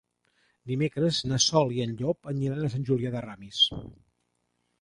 Dimecres na Sol i en Llop aniran a Sant Julià de Ramis.